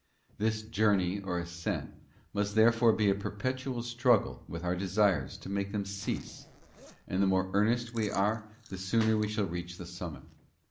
This journey or ascent must therefore be a perpetual struggle _ with our desires to make them cease, and the more earnest we are the sooner shall we reach the summit.